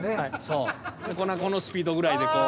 このスピードぐらいでこう。